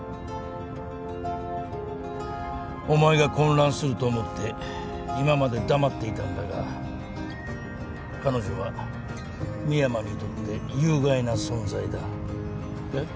お前が混乱すると思って今まで黙っていたんだが彼女は深山にとって有害な存在だ。えっ？